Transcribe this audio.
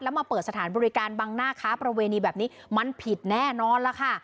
มาเปิดสถานบริการบังหน้าค้าประเวณีแบบนี้มันผิดแน่นอนล่ะค่ะ